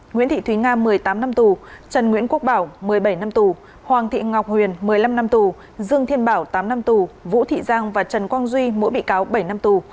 nguyễn thị thúy nga một mươi tám năm tù trần nguyễn quốc bảo một mươi bảy năm tù hoàng thị ngọc huyền một mươi năm năm tù dương thiên bảo tám năm tù vũ thị giang và trần quang duy mỗi bị cáo bảy năm tù